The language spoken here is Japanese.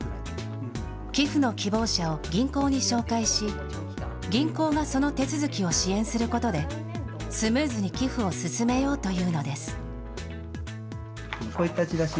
寄付の希望者を銀行に紹介し、銀行がその手続きを支援することで、スムーズに寄付を進めようというのです。